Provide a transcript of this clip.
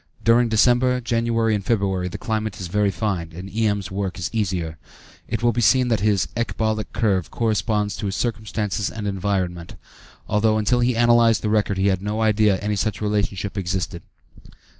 During December, January, and February, the climate is very fine, and E.M.'s work is easier. It will be seen that his ecbolic curve corresponds to his circumstances and environment, although until he analyzed the record he had no idea that any such relationship existed.